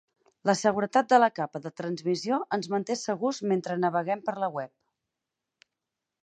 La seguretat de la capa de transmissió ens manté segurs mentre naveguem per la web.